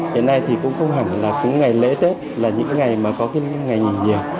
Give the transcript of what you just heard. hiện nay thì cũng không hẳn là cái ngày lễ tết là những ngày mà có cái ngày nghỉ nhiều